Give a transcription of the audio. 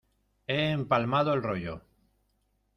he empalmado el rollo.